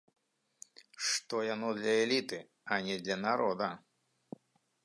Што яно для эліты, а не для народа.